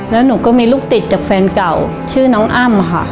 แล้วหนูก็มีลูกติดจากแฟนเก่าชื่อน้องอ้ำค่ะ